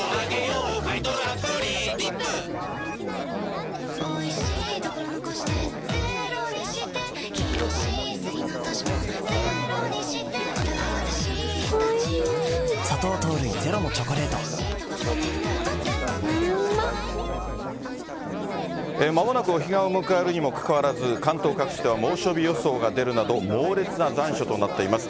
めまいにはオレンジの漢方セラピーまもなくお彼岸を迎えるにもかかわらず、関東各地では猛暑日予想が出るなど、猛烈な残暑となっています。